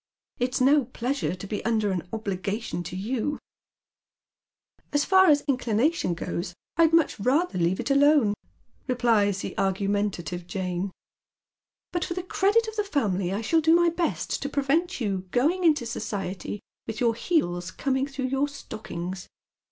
It's oo pleasure ^ be under an obligation to you." 192 Dead Mm's Shoes. " As far aa inclination goes, Td much rather leave it alone," replies the argumentative Jane, *' but for the credit of the family I shall do my best to prevent you going into society with youi heels coming throiigh your stockings.